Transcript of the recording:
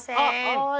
はい。